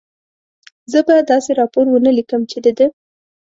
زه به داسې راپور و نه لیکم، چې د ده.